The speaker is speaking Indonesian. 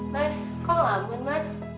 mas kau ngelamun mas